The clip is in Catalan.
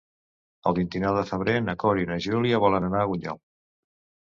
El vint-i-nou de febrer na Cora i na Júlia volen anar a Bunyol.